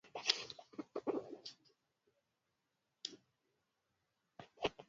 Kanisa la mkunazini lina urefu wa futi sitini